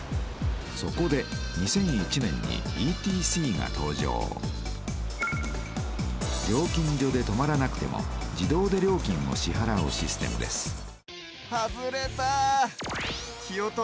そこで２００１年にＥＴＣが登場料金所で止まらなくても自動で料金を支はらうシステムです